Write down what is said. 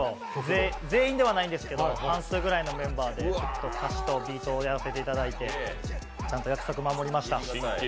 全員ではないんですけど半分ぐらいのメンバーで歌詞とビートをやらせていただいてちゃんと約束守りました。